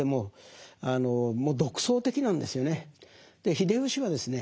秀吉はですね